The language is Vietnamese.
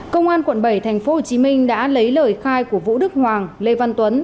công an tp hcm đã lấy lời khai của vũ đức hoàng lê văn tuấn